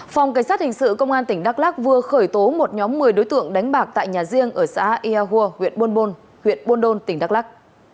phòng cảnh sát hình sự công an tỉnh đắk lắc vừa khởi tố một nhóm một mươi đối tượng đánh bạc tại nhà riêng ở xã ia hua huyện buôn đôn tỉnh đắk lắc